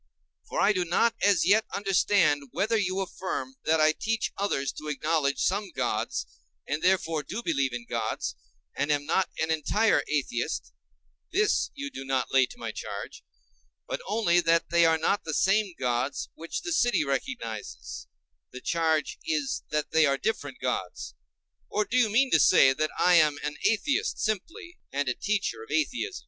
for I do not as yet understand whether you affirm that I teach others to acknowledge some gods, and therefore do believe in gods and am not an entire atheist—this you do not lay to my charge; but only that they are not the same gods which the city recognizes—the charge is that they are different gods. Or, do you mean to say that I am an atheist simply, and a teacher of atheism?